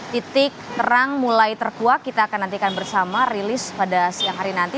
titik terang mulai terkuak kita akan nantikan bersama rilis pada siang hari nanti